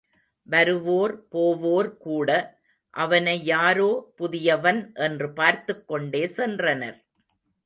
வருவோர் போவோர் கூட, அவனையாரோ புதியவன் என்று பார்த்துக் கொண்டே சென்றனர்.